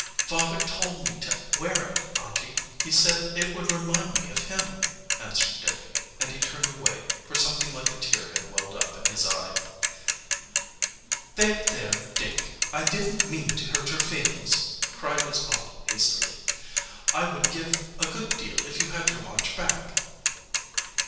"Father told me to wear it, aunty. He said it would remind me of him," answered Dick, and he turned away, for something like a tear had welled up in his eye. "There, there, Dick, I didn't mean to hurt your feelings," cried his aunt hastily. "I would give a good deal if you had your watch back."